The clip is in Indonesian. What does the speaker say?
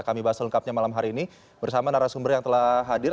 kami bahas lengkapnya malam hari ini bersama narasumber yang telah hadir